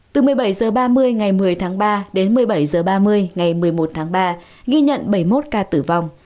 từ một mươi bảy h ba mươi ngày một mươi tháng ba đến một mươi bảy h ba mươi ngày một mươi một tháng ba ghi nhận bảy mươi một ca tử vong